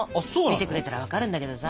見てくれたら分かるんだけどさ。